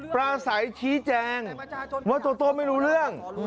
ประสัยชี้แจงว่าโตโต้ไม่รู้เรื่อง